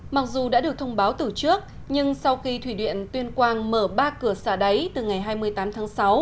mặc dù đã được thông báo từ trước nhưng sau khi thủy điện tuyên quang mở ba cửa xả đáy từ ngày hai mươi tám tháng sáu